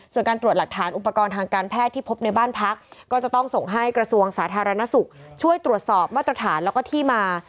ส่วนการตรวจหลักฐานอุปกรณ์ทางการแพทย์ที่พบในบ้านพักก็จะต้องส่งให้กระทรวงสาธารณสุขช่วยตรวจสอบมาตรฐานแล้วก็ที่มา